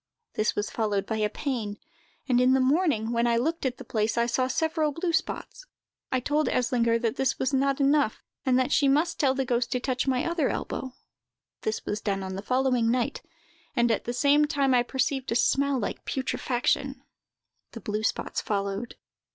This was followed by a pain; and in the morning, when I looked at the place, I saw several blue spots. I told Eslinger that this was not enough, and that she must tell the ghost to touch my other elbow. This was done on the following night, and, at the same time, I perceived a smell like putrefaction. The blue spots followed."